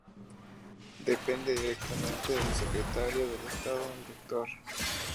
Depende directamente del Secretario de Estado Director.